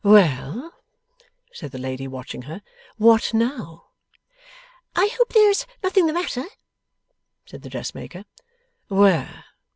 'Well!' said the lady, watching her. 'What now?' 'I hope there's nothing the matter!' said the dressmaker. 'Where?